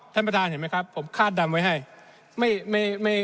ท่านประธานเห็นไหมครับผมคาดดำไว้ให้ไม่ไม่